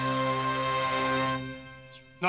何？